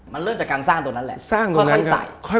มันเริ่มจากการสร้างตรงนั้นแหละค่อยใส่